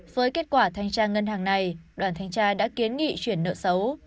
với kết quả thanh tra ngân hàng này đoàn thanh tra đã kiến nghị chuyển nợ xấu